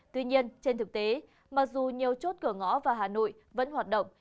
tuy nhiên trên thực tế mặc dù nhiều chốt cửa ngõ vào hà nội vẫn hoạt động